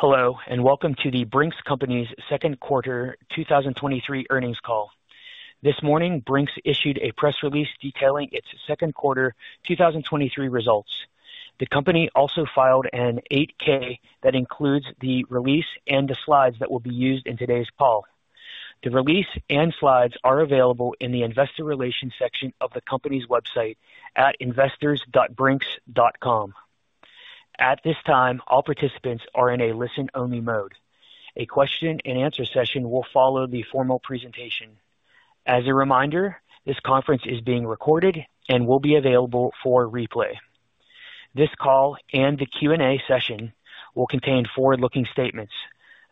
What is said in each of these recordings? Hello, welcome to The Brink's Company's second quarter 2023 earnings call. This morning, Brink's issued a press release detailing its second quarter 2023 results. The company also filed an 8-K that includes the release and the slides that will be used in today's call. The release and slides are available in the investor relations section of the company's website at investors.brinks.com. At this time, all participants are in a listen-only mode. A question-and-answer session will follow the formal presentation. As a reminder, this conference is being recorded and will be available for replay. This call and the Q&A session will contain forward-looking statements.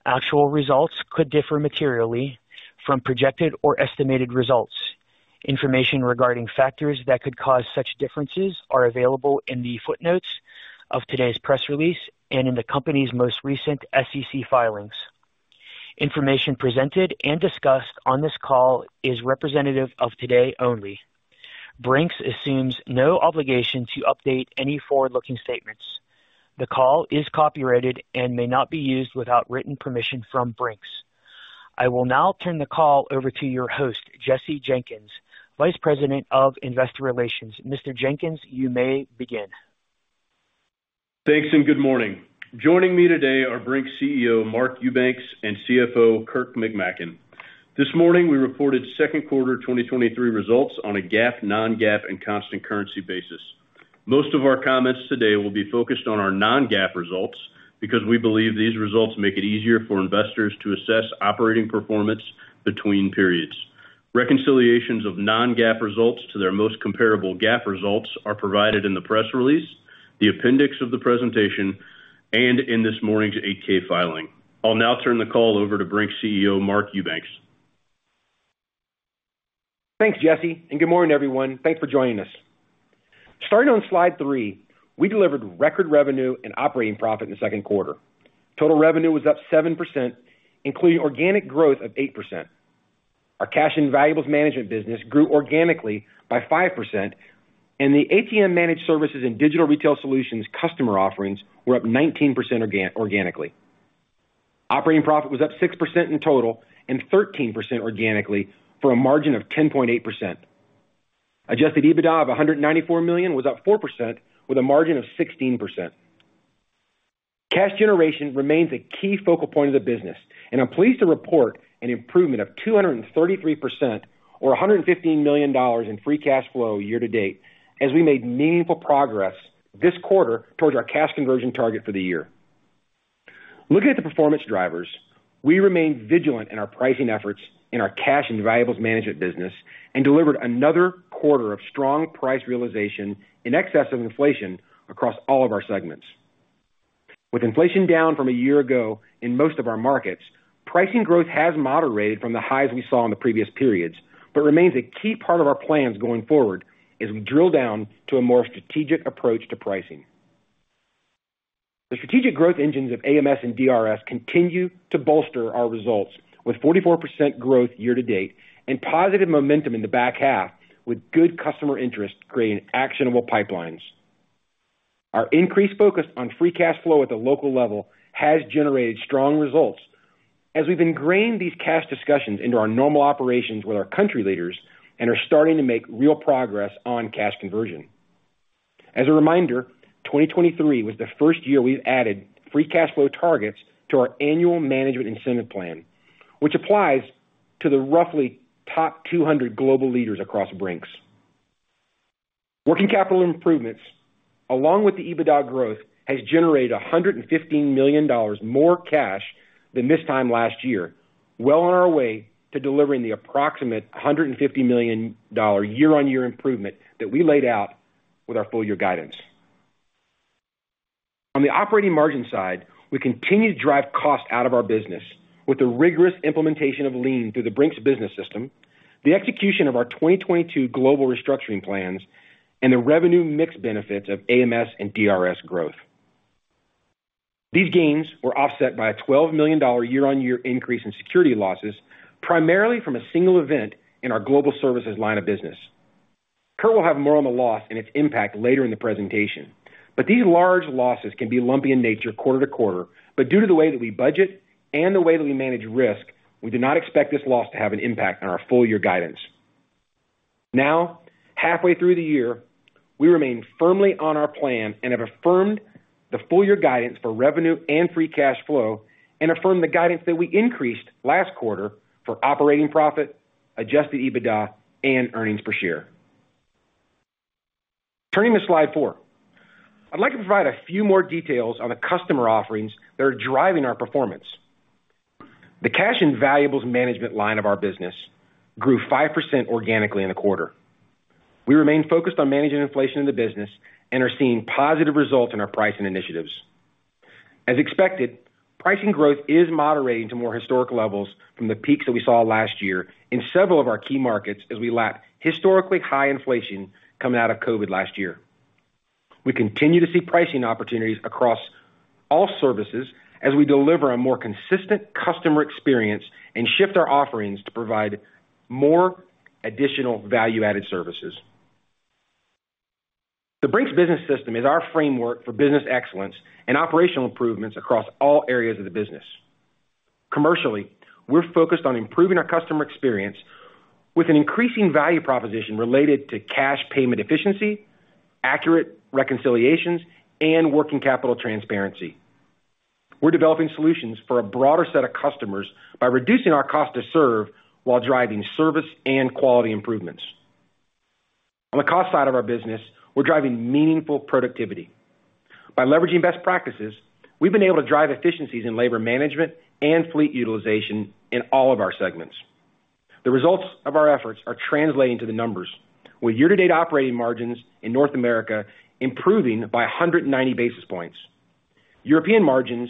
Actual results could differ materially from projected or estimated results. Information regarding factors that could cause such differences are available in the footnotes of today's press release and in the company's most recent SEC filings. Information presented and discussed on this call is representative of today only. Brink's assumes no obligation to update any forward-looking statements. The call is copyrighted and may not be used without written permission from Brink's. I will now turn the call over to your host, Jesse Jenkins, Vice President of Investor Relations. Mr. Jenkins, you may begin. Thanks, good morning. Joining me today are Brink's CEO, Mark Eubanks, and CFO, Kurt McMaken. This morning, we reported second quarter 2023 results on a GAAP, non-GAAP and constant currency basis. Most of our comments today will be focused on our non-GAAP results because we believe these results make it easier for investors to assess operating performance between periods. Reconciliations of non-GAAP results to their most comparable GAAP results are provided in the press release, the appendix of the presentation, and in this morning's 8-K filing. I'll now turn the call over to Brink's CEO, Mark Eubanks. Thanks, Jesse. Good morning, everyone. Thanks for joining us. Starting on slide 3, we delivered record revenue and operating profit in the second quarter. Total revenue was up 7%, including organic growth of 8%. Our cash and valuables management business grew organically by 5%. The ATM managed services and digital retail solutions customer offerings were up 19% organically. Operating profit was up 6% in total and 13% organically, for a margin of 10.8%. Adjusted EBITDA of $194 million was up 4%, with a margin of 16%. Cash generation remains a key focal point of the business. I'm pleased to report an improvement of 233% or $115 million in free cash flow year to date, as we made meaningful progress this quarter towards our cash conversion target for the year. Looking at the performance drivers, we remain vigilant in our pricing efforts in our cash and valuables management business and delivered another quarter of strong price realization in excess of inflation across all of our segments. With inflation down from a year ago in most of our markets, pricing growth has moderated from the highs we saw in the previous periods, remains a key part of our plans going forward as we drill down to a more strategic approach to pricing. The strategic growth engines of AMS and DRS continue to bolster our results with 44% growth year to date and positive momentum in the back half, with good customer interest creating actionable pipelines. Our increased focus on free cash flow at the local level has generated strong results as we've ingrained these cash discussions into our normal operations with our country leaders and are starting to make real progress on cash conversion. As a reminder, 2023 was the first year we've added free cash flow targets to our annual management incentive plan, which applies to the roughly top 200 global leaders across Brink's. Working capital improvements, along with the EBITDA growth, has generated $115 million more cash than this time last year. Well on our way to delivering the approximate $150 million year-on-year improvement that we laid out with our full year guidance. On the operating margin side, we continue to drive costs out of our business with the rigorous implementation of Lean through the Brink's Business System, the execution of our 2022 global restructuring plans, and the revenue mix benefits of AMS and DRS growth. These gains were offset by a $12 million year-on-year increase in security losses, primarily from a single event in our Global Services line of business. Kurt will have more on the loss and its impact later in the presentation. These large losses can be lumpy in nature quarter-to-quarter. Due to the way that we budget and the way that we manage risk, we do not expect this loss to have an impact on our full year guidance. Halfway through the year, we remain firmly on our plan and have affirmed the full year guidance for revenue and free cash flow, and affirmed the guidance that we increased last quarter for operating profit, adjusted EBITDA, and EPS. Turning to slide 4. I'd like to provide a few more details on the customer offerings that are driving our performance. The cash and valuables management line of our business grew 5% organically in the quarter. We remain focused on managing inflation in the business and are seeing positive results in our pricing initiatives. As expected, pricing growth is moderating to more historic levels from the peaks that we saw last year in several of our key markets as we lap historically high inflation coming out of COVID last year. We continue to see pricing opportunities across all services as we deliver a more consistent customer experience and shift our offerings to provide more additional value-added services. The Brink's Business System is our framework for business excellence and operational improvements across all areas of the business. Commercially, we're focused on improving our customer experience with an increasing value proposition related to cash payment efficiency, accurate reconciliations, and working capital transparency. We're developing solutions for a broader set of customers by reducing our cost to serve while driving service and quality improvements. On the cost side of our business, we're driving meaningful productivity. By leveraging best practices, we've been able to drive efficiencies in labor management and fleet utilization in all of our segments. The results of our efforts are translating to the numbers, with year-to-date operating margins in North America improving by 190 basis points. European margins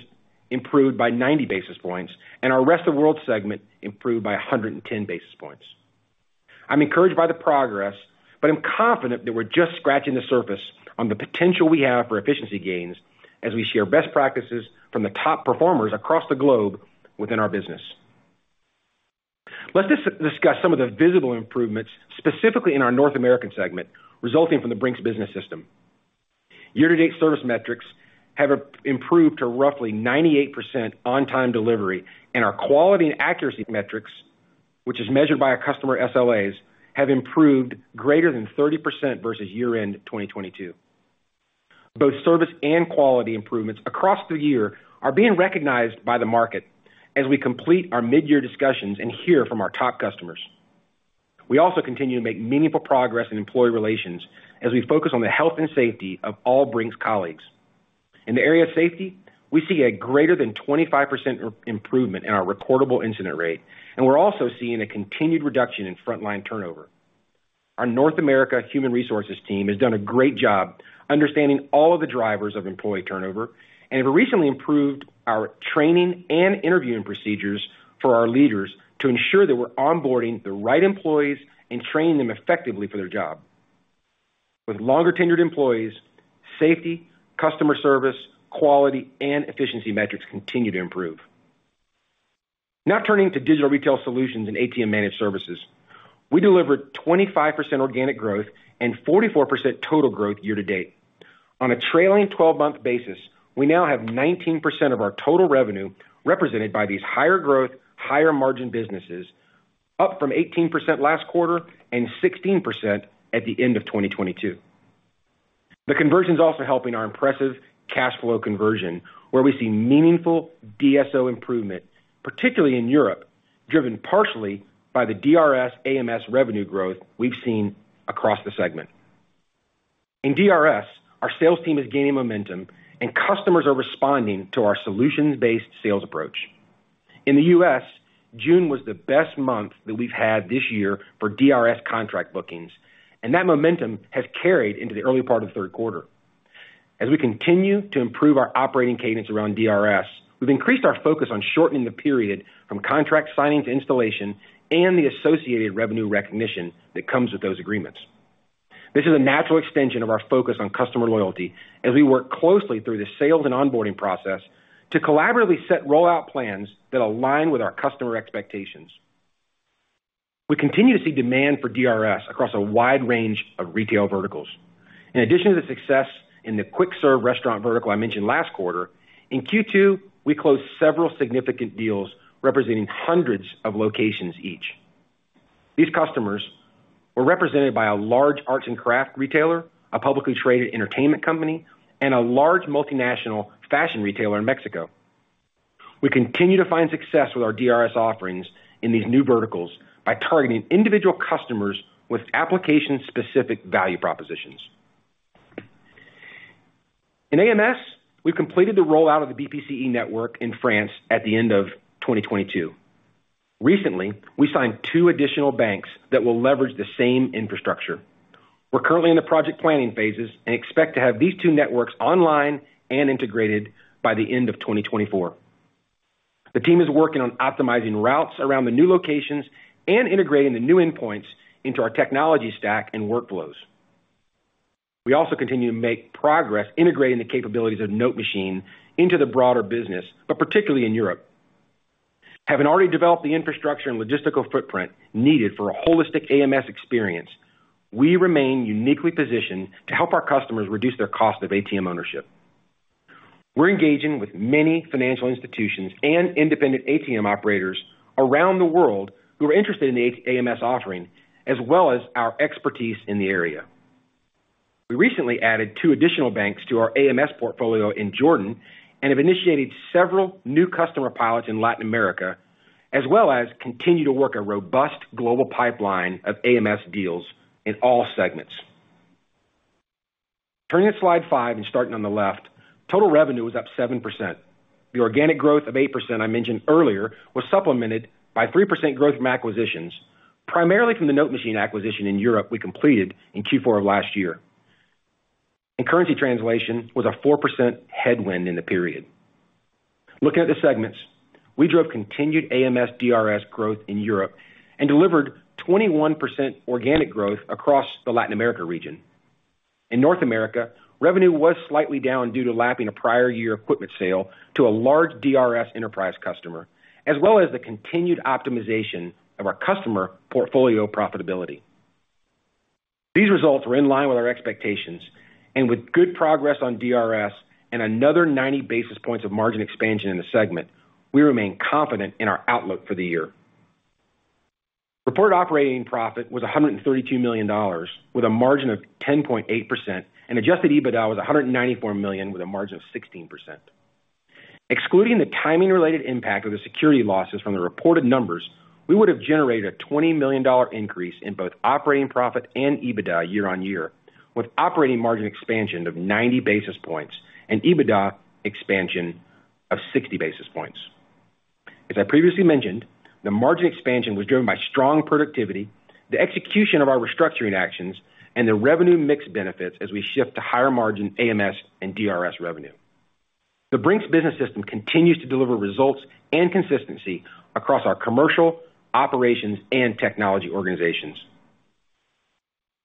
improved by 90 basis points, and our rest of world segment improved by 110 basis points. I'm encouraged by the progress, but I'm confident that we're just scratching the surface on the potential we have for efficiency gains as we share best practices from the top performers across the globe within our business. Let's discuss some of the visible improvements, specifically in our North American segment, resulting from the Brink's Business System. Year-to-date service metrics have improved to roughly 98% on-time delivery, and our quality and accuracy metrics, which is measured by our customer SLAs, have improved greater than 30% versus year-end 2022. Both service and quality improvements across the year are being recognized by the market as we complete our midyear discussions and hear from our top customers. We also continue to make meaningful progress in employee relations as we focus on the health and safety of all Brink's colleagues. In the area of safety, we see a greater than 25% improvement in our recordable incident rate, and we're also seeing a continued reduction in frontline turnover. Our North America human resources team has done a great job understanding all of the drivers of employee turnover and have recently improved our training and interviewing procedures for our leaders to ensure that we're onboarding the right employees and training them effectively for their job. With longer-tenured employees, safety, customer service, quality, and efficiency metrics continue to improve. Turning to digital retail solutions and ATM managed services, we delivered 25% organic growth and 44% total growth year to date. On a trailing 12-month basis, we now have 19% of our total revenue represented by these higher growth, higher margin businesses, up from 18% last quarter and 16% at the end of 2022. The conversion is also helping our impressive cash flow conversion, where we see meaningful DSO improvement, particularly in Europe, driven partially by the DRS AMS revenue growth we've seen across the segment. In DRS, our sales team is gaining momentum and customers are responding to our solutions-based sales approach. In the U.S., June was the best month that we've had this year for DRS contract bookings, and that momentum has carried into the early part of the third quarter. As we continue to improve our operating cadence around DRS, we've increased our focus on shortening the period from contract signing to installation and the associated revenue recognition that comes with those agreements. This is a natural extension of our focus on customer loyalty as we work closely through the sales and onboarding process to collaboratively set rollout plans that align with our customer expectations. We continue to see demand for DRS across a wide range of retail verticals. In addition to the success in the quick-service restaurant vertical I mentioned last quarter, in Q2, we closed several significant deals representing hundreds of locations each. These customers were represented by a large arts and craft retailer, a publicly traded entertainment company, and a large multinational fashion retailer in Mexico. We continue to find success with our DRS offerings in these new verticals by targeting individual customers with application-specific value propositions. In AMS, we completed the rollout of the BPCE network in France at the end of 2022. Recently, we signed two additional banks that will leverage the same infrastructure. We're currently in the project planning phases and expect to have these two networks online and integrated by the end of 2024. The team is working on optimizing routes around the new locations and integrating the new endpoints into our technology stack and workflows. We also continue to make progress integrating the capabilities of NoteMachine into the broader business, but particularly in Europe. Having already developed the infrastructure and logistical footprint needed for a holistic AMS experience, we remain uniquely positioned to help our customers reduce their cost of ATM ownership. We're engaging with many financial institutions and independent ATM operators around the world who are interested in the AMS offering, as well as our expertise in the area. We recently added 2 additional banks to our AMS portfolio in Jordan and have initiated several new customer pilots in Latin America, as well as continue to work a robust global pipeline of AMS deals in all segments. Turning to slide 5 and starting on the left, total revenue was up 7%. The organic growth of 8% I mentioned earlier was supplemented by 3% growth from acquisitions, primarily from the NoteMachine acquisition in Europe we completed in Q4 of last year. Currency translation was a 4% headwind in the period. Looking at the segments, we drove continued AMS DRS growth in Europe and delivered 21% organic growth across the Latin America region. In North America, revenue was slightly down due to lapping a prior year equipment sale to a large DRS enterprise customer, as well as the continued optimization of our customer portfolio profitability.... These results were in line with our expectations, with good progress on DRS and another 90 basis points of margin expansion in the segment, we remain confident in our outlook for the year. Reported operating profit was $132 million, with a margin of 10.8%, and adjusted EBITDA was $194 million, with a margin of 16%. Excluding the timing-related impact of the security losses from the reported numbers, we would have generated a $20 million increase in both operating profit and EBITDA year-on-year, with operating margin expansion of 90 basis points and EBITDA expansion of 60 basis points. As I previously mentioned, the margin expansion was driven by strong productivity, the execution of our restructuring actions, and the revenue mix benefits as we shift to higher margin AMS and DRS revenue. The Brink's Business System continues to deliver results and consistency across our commercial, operations, and technology organizations.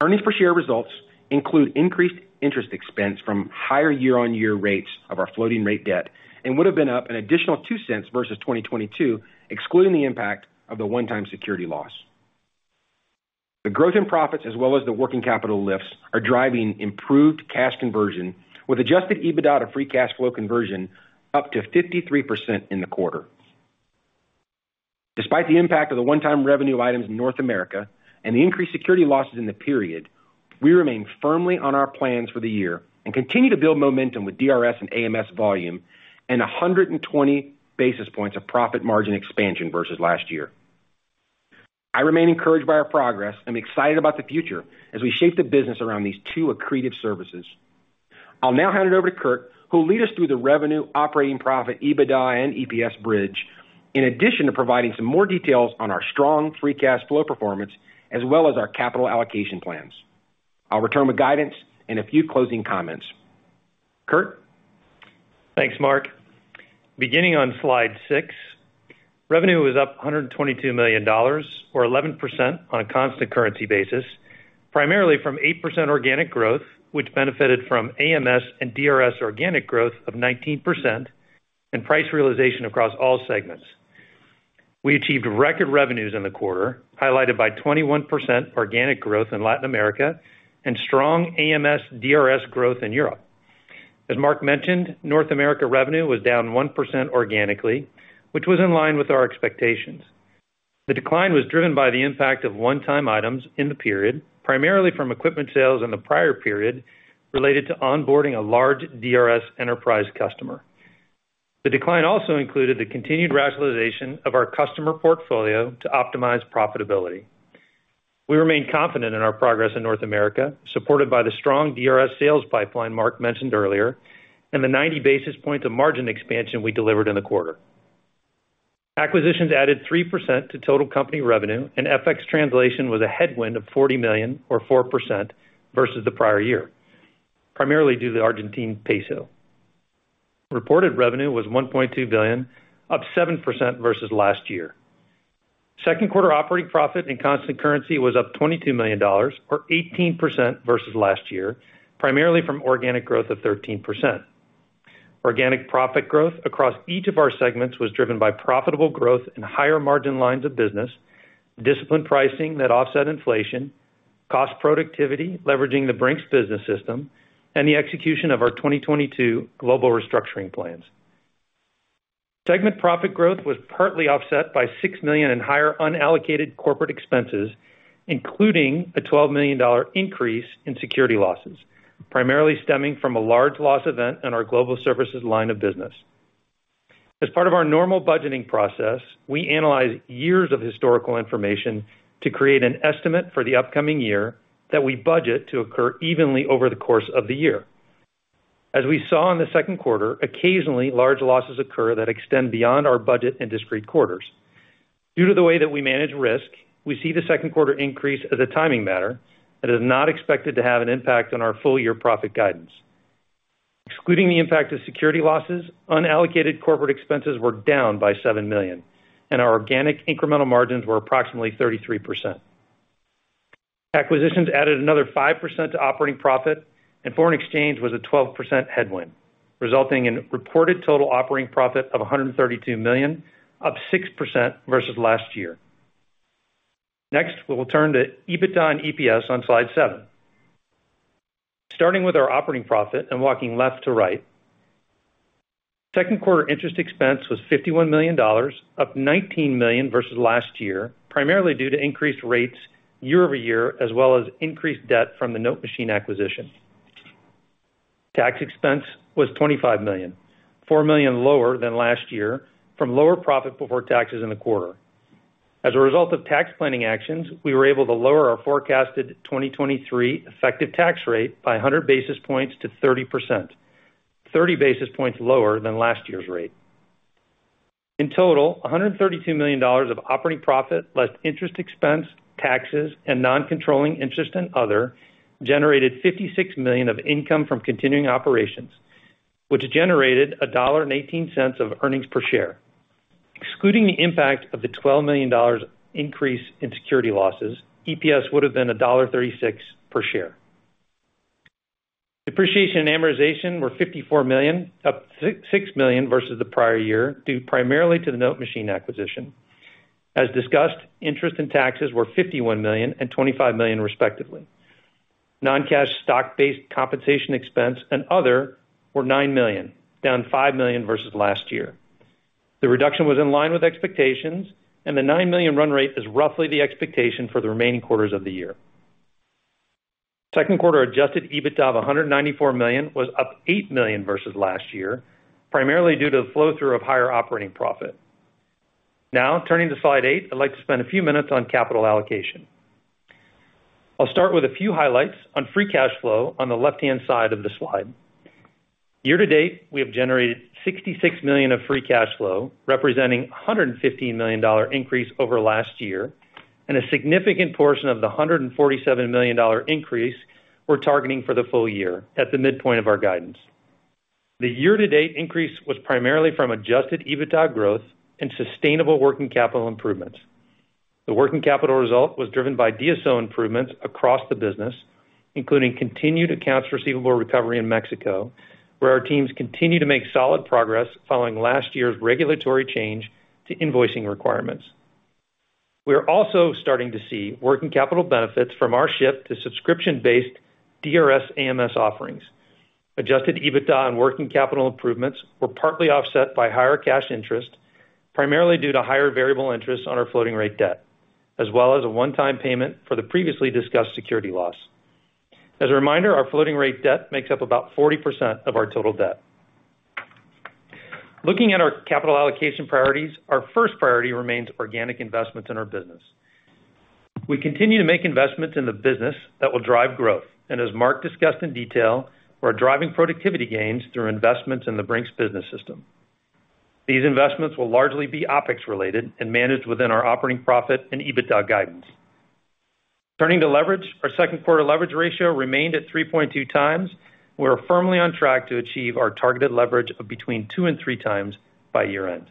Earnings per share results include increased interest expense from higher year-on-year rates of our floating rate debt, and would have been up an additional $0.02 versus 2022, excluding the impact of the one-time security loss. The growth in profits, as well as the working capital lifts, are driving improved cash conversion, with adjusted EBITDA to free cash flow conversion up to 53% in the quarter. Despite the impact of the one-time revenue items in North America and the increased security losses in the period, we remain firmly on our plans for the year and continue to build momentum with DRS and AMS volume and 120 basis points of profit margin expansion versus last year. I remain encouraged by our progress and excited about the future as we shape the business around these two accretive services. I'll now hand it over to Kurt, who will lead us through the revenue, operating profit, EBITDA, and EPS bridge, in addition to providing some more details on our strong free cash flow performance, as well as our capital allocation plans. I'll return with guidance and a few closing comments. Kurt? Thanks, Mark. Beginning on slide 6, revenue was up $122 million, or 11% on a constant currency basis, primarily from 8% organic growth, which benefited from AMS and DRS organic growth of 19% and price realization across all segments. We achieved record revenues in the quarter, highlighted by 21% organic growth in Latin America and strong AMS, DRS growth in Europe. As Mark mentioned, North America revenue was down 1% organically, which was in line with our expectations. The decline was driven by the impact of one-time items in the period, primarily from equipment sales in the prior period, related to onboarding a large DRS enterprise customer. The decline also included the continued rationalization of our customer portfolio to optimize profitability. We remain confident in our progress in North America, supported by the strong DRS sales pipeline Mark mentioned earlier, and the 90 basis points of margin expansion we delivered in the quarter. Acquisitions added 3% to total company revenue. FX translation was a headwind of $40 million, or 4%, versus the prior year, primarily due to the Argentine peso. Reported revenue was $1.2 billion, up 7% versus last year. Second quarter operating profit and constant currency was up $22 million or 18% versus last year, primarily from organic growth of 13%. Organic profit growth across each of our segments was driven by profitable growth in higher margin lines of business, disciplined pricing that offset inflation, cost productivity, leveraging the Brink's Business System, and the execution of our 2022 global restructuring plans. Segment profit growth was partly offset by $6 million in higher unallocated corporate expenses, including a $12 million increase in security losses, primarily stemming from a large loss event on our Global Services line of business. As part of our normal budgeting process, we analyze years of historical information to create an estimate for the upcoming year that we budget to occur evenly over the course of the year. As we saw in the second quarter, occasionally, large losses occur that extend beyond our budget and discrete quarters. Due to the way that we manage risk, we see the second quarter increase as a timing matter, and is not expected to have an impact on our full year profit guidance. Excluding the impact of security losses, unallocated corporate expenses were down by $7 million, and our organic incremental margins were approximately 33%. Acquisitions added another 5% to operating profit. Foreign exchange was a 12% headwind, resulting in reported total operating profit of $132 million, up 6% versus last year. Next, we will turn to EBITDA and EPS on slide 7. Starting with our operating profit and walking left to right. Second quarter interest expense was $51 million, up $19 million versus last year, primarily due to increased rates year-over-year, as well as increased debt from the NoteMachine acquisition. Tax expense was $25 million, $4 million lower than last year from lower profit before taxes in the quarter. As a result of tax planning actions, we were able to lower our forecasted 2023 effective tax rate by 100 basis points to 30%, 30 basis points lower than last year's rate. In total, $132 million of operating profit, less interest expense, taxes, and non-controlling interest and other, generated $56 million of income from continuing operations, which generated $1.18 of earnings per share. Excluding the impact of the $12 million increase in security losses, EPS would have been $1.36 per share. Depreciation and amortization were $54 million, up 6, $6 million versus the prior year, due primarily to the NoteMachine acquisition. As discussed, interest and taxes were $51 million and $25 million, respectively. Non-cash stock-based compensation expense and other were $9 million, down $5 million versus last year. The reduction was in line with expectations, and the $9 million run rate is roughly the expectation for the remaining quarters of the year. Second quarter adjusted EBITDA of $194 million was up $8 million versus last year, primarily due to the flow-through of higher operating profit. Now, turning to slide 8, I'd like to spend a few minutes on capital allocation. I'll start with a few highlights on free cash flow on the left-hand side of the slide. Year-to-date, we have generated $66 million of free cash flow, representing a $115 million increase over last year, and a significant portion of the $147 million increase we're targeting for the full year at the midpoint of our guidance. The year-to-date increase was primarily from adjusted EBITDA growth and sustainable working capital improvements. The working capital result was driven by DSO improvements across the business, including continued accounts receivable recovery in Mexico, where our teams continue to make solid progress following last year's regulatory change to invoicing requirements. We are also starting to see working capital benefits from our shift to subscription-based DRS AMS offerings. Adjusted EBITDA and working capital improvements were partly offset by higher cash interest, primarily due to higher variable interest on our floating rate debt, as well as a one-time payment for the previously discussed security loss. As a reminder, our floating rate debt makes up about 40% of our total debt. Looking at our capital allocation priorities, our first priority remains organic investments in our business. We continue to make investments in the business that will drive growth, and as Mark discussed in detail, we're driving productivity gains through investments in the Brink's Business System. These investments will largely be OpEx related and managed within our operating profit and EBITDA guidance. Turning to leverage, our 2nd quarter leverage ratio remained at 3.2x. We are firmly on track to achieve our targeted leverage of between 2x and 3x by year-end.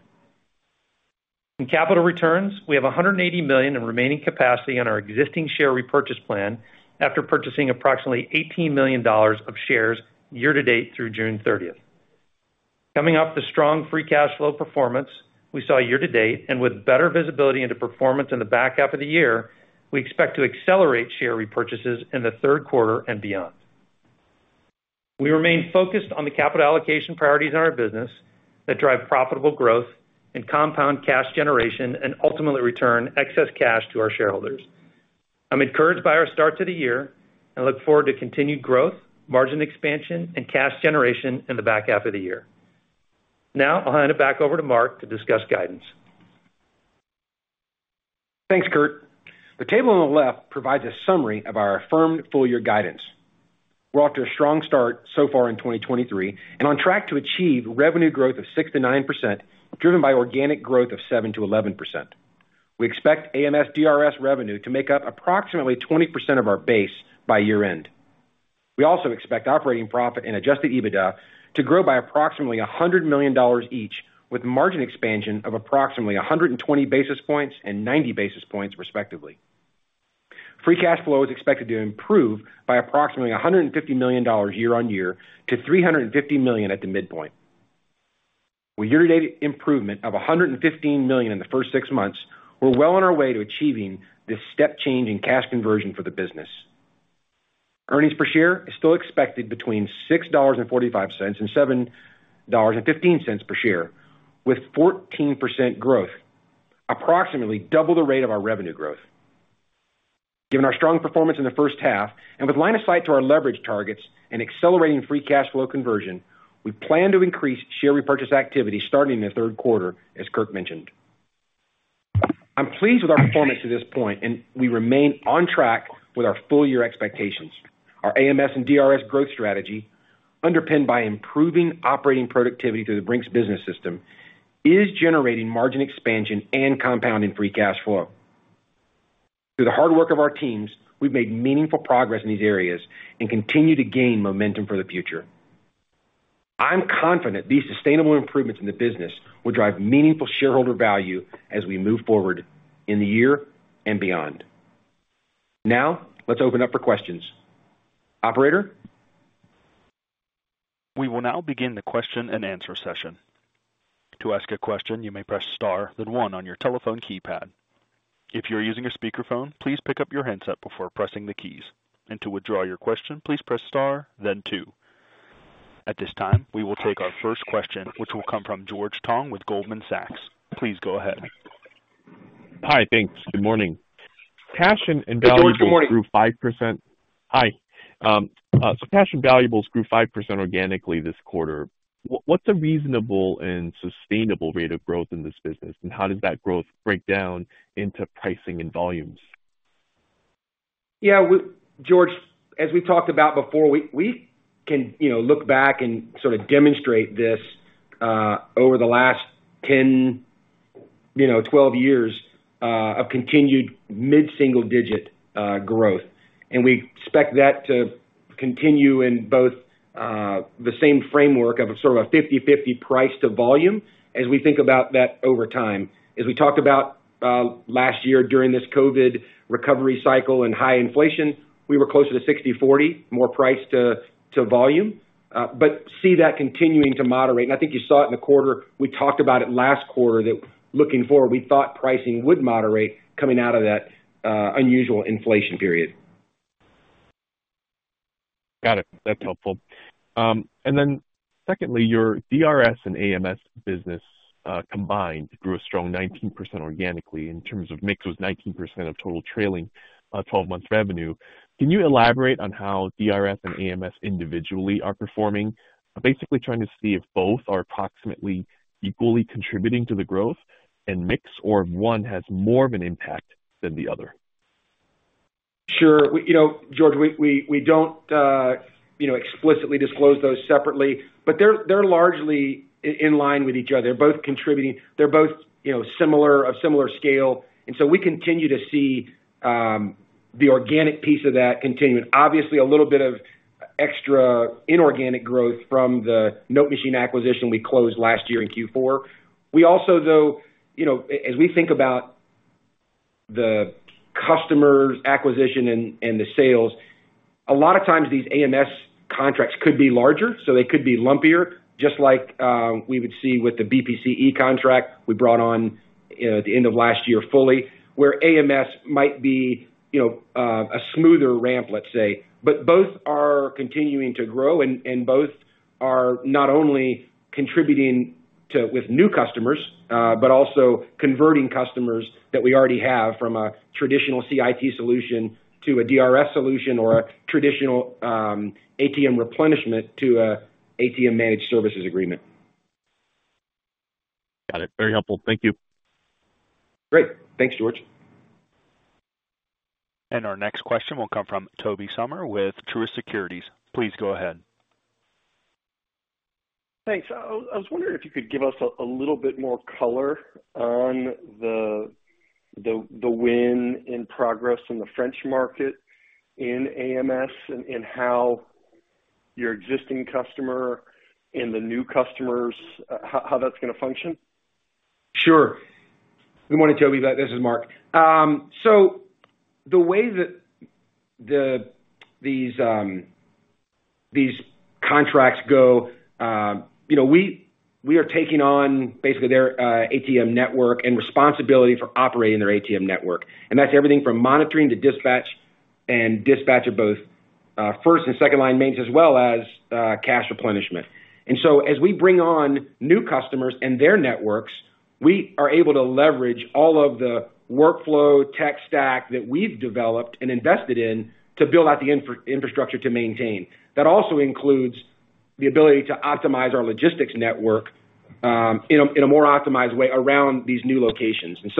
In capital returns, we have $180 million in remaining capacity on our existing share repurchase plan after purchasing approximately $18 million of shares year-to-date through June 30th. Coming up, the strong free cash flow performance we saw year-to-date, and with better visibility into performance in the back half of the year, we expect to accelerate share repurchases in the 3rd quarter and beyond. We remain focused on the capital allocation priorities in our business that drive profitable growth and compound cash generation, and ultimately return excess cash to our shareholders. I'm encouraged by our start to the year and look forward to continued growth, margin expansion, and cash generation in the back half of the year. Now, I'll hand it back over to Mark to discuss guidance. Thanks, Kurt. The table on the left provides a summary of our affirmed full year guidance. We're off to a strong start so far in 2023, and on track to achieve revenue growth of 6%-9%, driven by organic growth of 7%-11%. We expect AMS DRS revenue to make up approximately 20% of our base by year-end. We also expect operating profit and adjusted EBITDA to grow by approximately $100 million each, with margin expansion of approximately 120 basis points and 90 basis points, respectively. Free cash flow is expected to improve by approximately $150 million year-on-year to $350 million at the midpoint. With year-to-date improvement of $115 million in the first six months, we're well on our way to achieving this step change in cash conversion for the business. Earnings per share is still expected between $6.45 and $7.15 per share, with 14% growth, approximately double the rate of our revenue growth. Given our strong performance in the first half, and with line of sight to our leverage targets and accelerating free cash flow conversion, we plan to increase share repurchase activity starting in the third quarter, as Kurt mentioned. I'm pleased with our performance to this point, and we remain on track with our full year expectations. Our AMS and DRS growth strategy, underpinned by improving operating productivity through the Brink's Business System, is generating margin expansion and compounding free cash flow. Through the hard work of our teams, we've made meaningful progress in these areas and continue to gain momentum for the future. I'm confident these sustainable improvements in the business will drive meaningful shareholder value as we move forward in the year and beyond. Now, let's open up for questions. Operator? We will now begin the question-and-answer session. To ask a question, you may press star, then 1 on your telephone keypad. If you're using a speakerphone, please pick up your handset before pressing the keys, and to withdraw your question, please press star then 2. At this time, we will take our first question, which will come from George Tong with Goldman Sachs. Please go ahead. Hi, thanks. Good morning. George, good morning. Cash and valuables grew 5%. Hi, cash and valuables grew 5% organically this quarter. What's a reasonable and sustainable rate of growth in this business, and how does that growth break down into pricing and volumes? Yeah, George Tong, as we talked about before, we can, you know, look back and sort of demonstrate this over the last 10-12 years of continued mid-single-digit growth, and we expect that to continue in both the same framework of sort of a 50/50 price to volume as we think about that over time. As we talked about last year during this COVID recovery cycle and high inflation, we were closer to 60/40, more price to volume, but see that continuing to moderate, and I think you saw it in the quarter. We talked about it last quarter, that looking forward, we thought pricing would moderate coming out of that unusual inflation period. Got it. That's helpful. Then secondly, your DRS and AMS business combined grew a strong 19% organically in terms of mix, was 19% of total trailing 12 months revenue. Can you elaborate on how DRS and AMS individually are performing? I'm basically trying to see if both are approximately equally contributing to the growth and mix, or if one has more of an impact than the other. Sure. We, you know, George, we, we, we don't, you know, explicitly disclose those separately, but they're, they're largely in line with each other. They're both contributing. They're both, you know, similar, of similar scale, and so we continue to see the organic piece of that continuing. Obviously, a little bit of extra inorganic growth from the NoteMachine acquisition we closed last year in Q4. We also, though, you know, as we think about the customers' acquisition and, and the sales, a lot of times these AMS contracts could be larger, so they could be lumpier, just like we would see with the BPCE contract we brought on, you know, at the end of last year fully, where AMS might be, you know, a smoother ramp, let's say. Both are continuing to grow and both are not only contributing to with new customers, but also converting customers that we already have from a traditional CIT solution to a DRS solution, or a traditional ATM replenishment to a ATM managed services agreement. Got it. Very helpful. Thank you. Great. Thanks, George. Our next question will come from Tobey Sommer with Truist Securities. Please go ahead. Thanks. I I was wondering if you could give us a, a little bit more color on the, the, the win in progress in the French market in AMS and, and how your existing customer and the new customers, how, how that's gonna function? Sure. Good morning, Tobey, this is Mark. The way that the, these, these contracts go, you know, we, we are taking on basically their ATM network and responsibility for operating their ATM network, and that's everything from monitoring to dispatch and dispatch of both first- and second-line mains, as well as cash replenishment. As we bring on new customers and their networks, we are able to leverage all of the workflow tech stack that we've developed and invested in to build out the infrastructure to maintain. That also includes the ability to optimize our logistics network in a, in a more optimized way around these new locations. You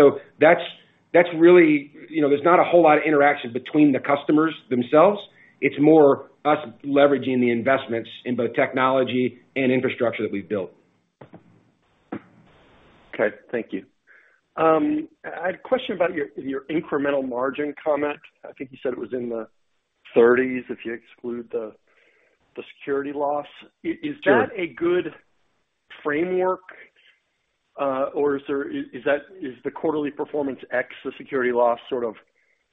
know, there's not a whole lot of interaction between the customers themselves. It's more us leveraging the investments in both technology and infrastructure that we've built. Okay, thank you. I had a question about your, your incremental margin comment. I think you said it was in the 30s, if you exclude the, the security loss. Sure. Is that a good framework, or is the quarterly performance ex the security loss, sort of,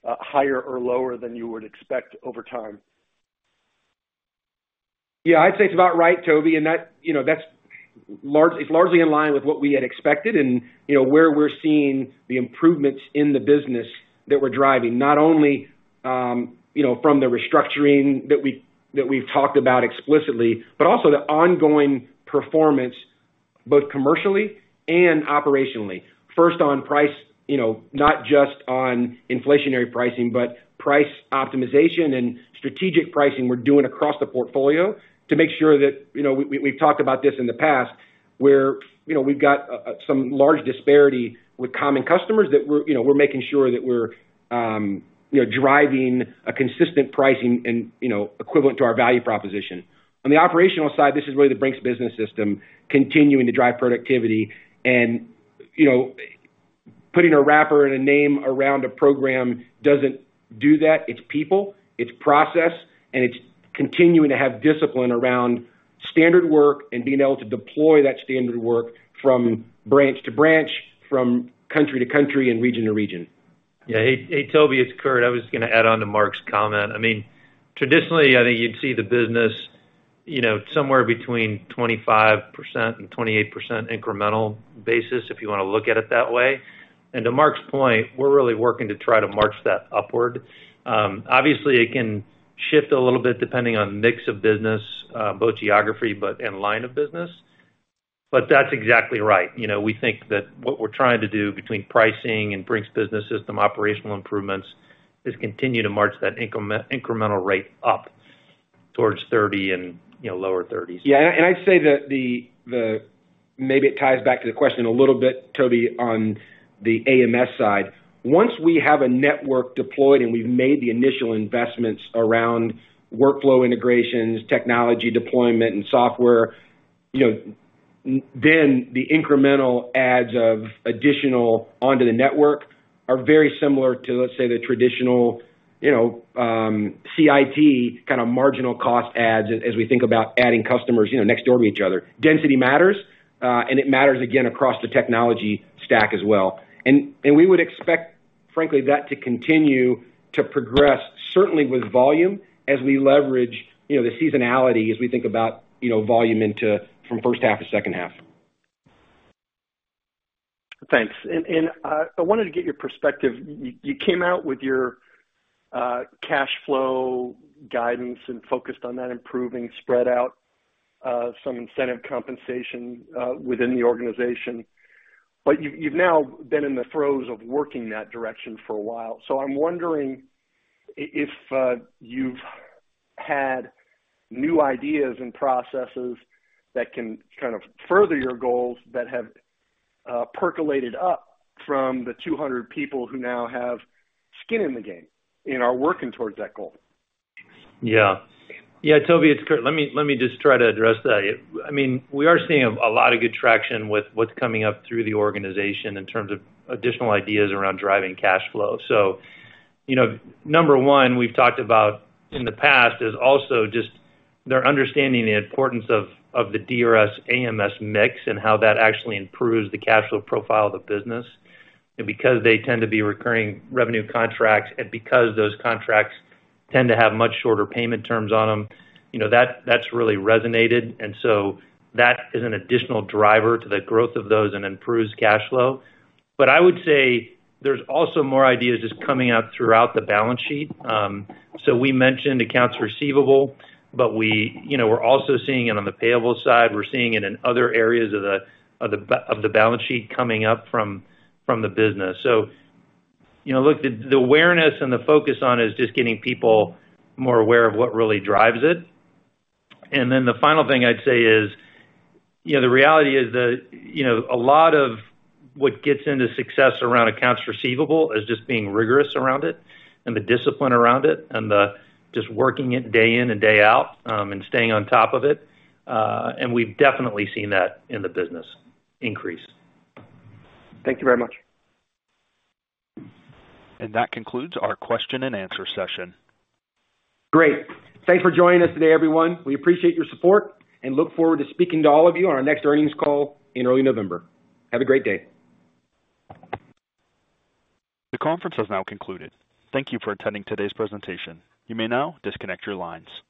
higher or lower than you would expect over time? Yeah, I'd say it's about right, Tobey, and that, you know, that's large- it's largely in line with what we had expected and, you know, where we're seeing the improvements in the business that we're driving, not only, you know, from the restructuring that we, that we've talked about explicitly, but also the ongoing performance, both commercially and operationally. First, on price, you know, not just on inflationary pricing, but price optimization and strategic pricing we're doing across the portfolio to make sure that, you know, we, we, we've talked about this in the past, where, you know, we've got some large disparity with common customers that we're, you know, we're making sure that we're, you know, driving a consistent pricing and, you know, equivalent to our value proposition. On the operational side, this is really the Brink's Business System continuing to drive productivity, and, you know, putting a wrapper and a name around a program doesn't do that. It's people, it's process, and it's continuing to have discipline around standard work and being able to deploy that standard work from branch to branch, from country to country, and region to region. Yeah. Hey, hey, Tobey, it's Kurt. I was just gonna add on to Mark's comment. I mean, traditionally, I think you'd see the business, you know, somewhere between 25% and 28% incremental basis, if you want to look at it that way. And to Mark's point, we're really working to try to march that upward. Obviously, it can shift a little bit depending on mix of business, both geography but, and line of business. But that's exactly right. You know, we think that what we're trying to do between pricing and Brink's Business System operational improvements, is continue to march that increme- incremental rate up towards 30 and, you know, lower 30s. Yeah, I'd say that maybe it ties back to the question a little bit, Tobey, on the AMS side. Once we have a network deployed and we've made the initial investments around workflow integrations, technology deployment, and software, you know, then the incremental adds of additional onto the network are very similar to, let's say, the traditional, you know, CIT kind of marginal cost adds as we think about adding customers, you know, next door to each other. Density matters, and it matters again across the technology stack as well. And we would expect, frankly, that to continue to progress, certainly with volume, as we leverage, you know, the seasonality as we think about, you know, volume into from first half to second half. Thanks. I wanted to get your perspective. You came out with your cash flow guidance and focused on that improving, spread out some incentive compensation within the organization. You've now been in the throes of working that direction for a while. I'm wondering if you've had new ideas and processes that can kind of further your goals, that have percolated up from the 200 people who now have skin in the game and are working towards that goal? Yeah. Yeah, Tobey, it's Kurt. Let me, let me just try to address that. I mean, we are seeing a lot of good traction with what's coming up through the organization in terms of additional ideas around driving cash flow. You know, number one, we've talked about in the past, is also just their understanding the importance of, of the DRS AMS mix and how that actually improves the cash flow profile of the business. Because they tend to be recurring revenue contracts and because those contracts tend to have much shorter payment terms on them, you know, that, that's really resonated. That is an additional driver to the growth of those and improves cash flow. I would say there's also more ideas just coming out throughout the balance sheet. We mentioned accounts receivable, but we, you know, we're also seeing it on the payable side. We're seeing it in other areas of the balance sheet coming up from, from the business. You know, look, the, the awareness and the focus on is just getting people more aware of what really drives it. Then the final thing I'd say is, you know, the reality is that, you know, a lot of what gets into success around accounts receivable is just being rigorous around it and the discipline around it, and just working it day in and day out, and staying on top of it. We've definitely seen that in the business increase. Thank you very much. That concludes our question and answer session. Great. Thanks for joining us today, everyone. We appreciate your support and look forward to speaking to all of you on our next earnings call in early November. Have a great day. The conference has now concluded. Thank you for attending today's presentation. You may now disconnect your lines.